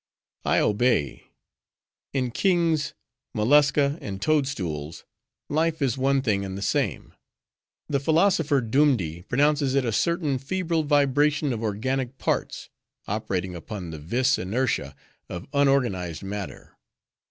"I obey. In kings, mollusca, and toad stools, life is one thing and the same. The Philosopher Dumdi pronounces it a certain febral vibration of organic parts, operating upon the vis inertia of unorganized matter.